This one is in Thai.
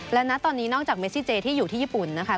และณตอนนี้นอกจากเมซิเจที่อยู่ที่ญี่ปุ่นนะคะ